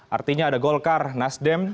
artinya ada golkar nasdem